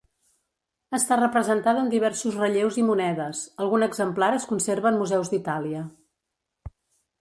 Està representada en diversos relleus i monedes; algun exemplar es conserva en museus d'Itàlia.